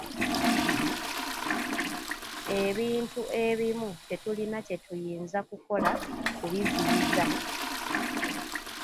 Ebintu ebimu tetulina kyetuyinza kukola kubiziyiza.